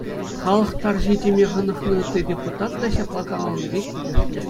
Халӑх тарҫи теме хӑнӑхнӑ ытти депутат та ҫапла каланипе килӗшнӗ.